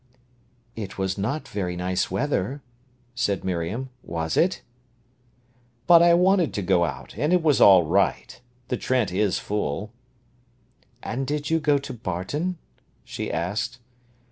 "It was not very nice weather," said Miriam, "was it?" "But I wanted to go out, and it was all right. The Trent is full." "And did you go to Barton?" she asked.